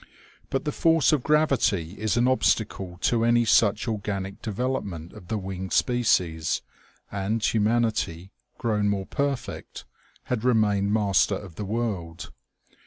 But the force of gravity is an obstacle to any such organic development of the winged species, and humanity, grown more perfect, had remained master of the world.